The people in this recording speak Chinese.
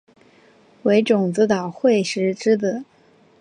为种子岛惠时之子。